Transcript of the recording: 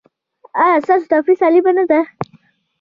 ایا ستاسو تفریح سالمه نه ده؟